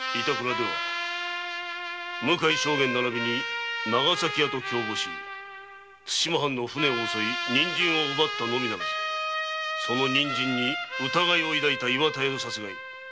出羽向井将監並びに長崎屋と共謀し対馬藩の船を襲い人参を奪ったのみならずその人参に疑いを抱いた岩田屋を殺害。